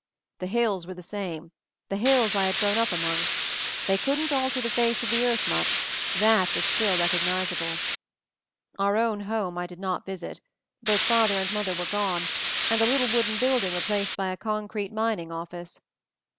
The hills were the same — the hills I had grown up among. They couldn't alter the face of the earth much — that was still recog nizable. Our own house I did not visit — both father and mother were gone, and the little wooden building replaced by a concrete min ing office.